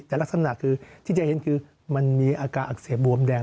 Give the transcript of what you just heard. แต่ลักษณะคือที่จะเห็นคือมันมีอาการอักเสบบวมแดง